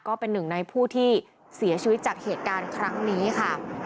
ก็เป็นหนึ่งในผู้ที่เสียชีวิตจากเหตุการณ์ครั้งนี้ค่ะ